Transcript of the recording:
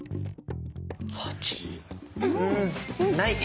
うんない！